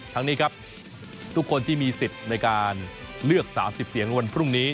ทั้งนี้ครับทุกคนที่มีสิทธิ์ในการเลือก๓๐เสียงวันพรุ่งนี้